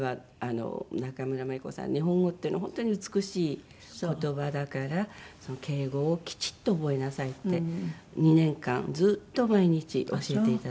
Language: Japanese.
日本語っていうのは本当に美しい言葉だから敬語をきちっと覚えなさいって２年間ずっと毎日教えていただきました。